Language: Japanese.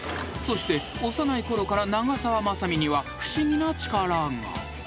［そして幼いころから長澤まさみには不思議な力が］